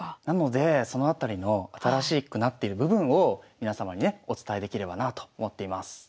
なのでそのあたりの新しくなっている部分を皆様にねお伝えできればなと思っています。